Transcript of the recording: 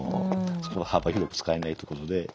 そこは幅広く使えないということで。